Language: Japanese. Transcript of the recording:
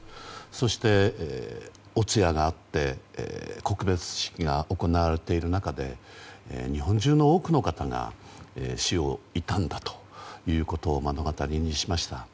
そして、お通夜があって告別式が行われている中で日本中の多くの方が死を悼んだということを目の当たりにしました。